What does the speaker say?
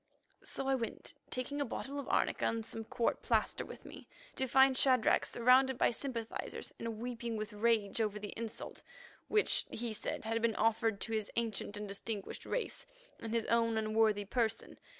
So I went, taking a bottle of arnica and some court plaster with me, to find Shadrach surrounded by sympathizers and weeping with rage over the insult, which, he said, had been offered to his ancient and distinguished race in his own unworthy person.